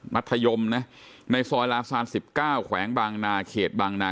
มัธยมนะในซอยลาฟสาร๑๙แขวงบางนา